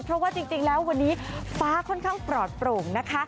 เพราะว่าจริงแล้ววันนี้ฟ้าค่อนข้างปลอดโปร่งนะคะ